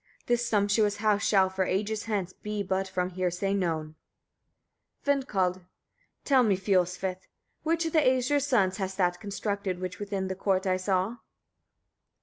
This sumptuous house shall, for ages hence, be but from hearsay known. Vindkald. 34. Tell me, Fiolsvith! etc., which of the Æsir's sons has that constructed, which within the court I saw?